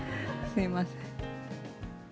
すみません。